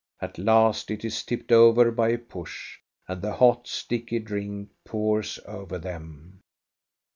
At last it is tipped over by a push, and the hot, sticky drink pours over them.